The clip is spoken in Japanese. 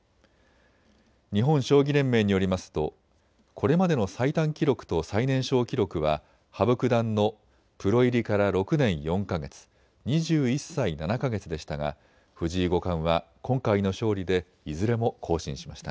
日本将棋連盟によりますとこれまでの最短記録と最年少記録は羽生九段のプロ入りから６年４か月、２１歳７か月でしたが藤井五冠は今回の勝利でいずれも更新しました。